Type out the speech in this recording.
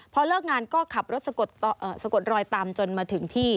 พอเลิกงานก็ขับรถสะกดรอยตามจนมาถึงที่